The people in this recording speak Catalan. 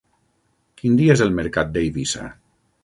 Quin dia és el mercat d'Eivissa?